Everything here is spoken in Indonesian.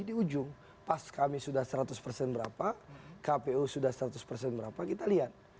di ujung pas kami sudah seratus persen berapa kpu sudah seratus persen berapa kita lihat